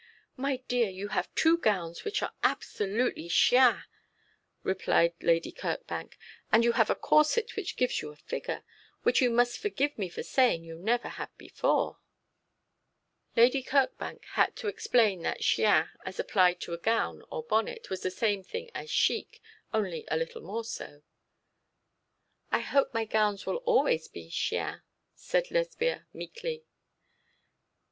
'My dear, you have two gowns which are absolutely chien,' replied Lady Kirkbank, 'and you have a corset which gives you a figure, which you must forgive me for saying you never had before.' Lady Kirkbank had to explain that chien as applied to a gown or bonnet was the same thing as chic, only a little more so. 'I hope my gowns will always be chien,' said Lesbia meekly.